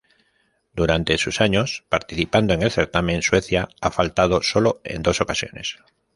Durante sus años participando en el certamen, Suecia ha faltado sólo en dos ocasiones.